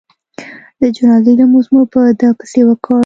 د جنازې لمونځ مو په ده پسې وکړ.